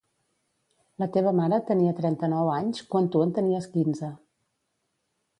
La teva mare tenia trenta-nou anys, quan tu en tenies quinze.